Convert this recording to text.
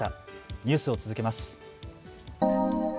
ニュースを続けます。